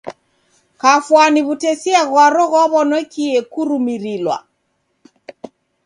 Kafwani w'utesia ghwaro ghwaw'okie kurumirilwa.